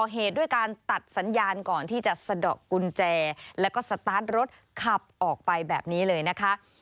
เหตุด้วยการตัดสัญญาณก่อนที่จะสะดอกกุญแจแล้วก็สตาร์ทรถขับออกไปแบบนี้เลยนะคะ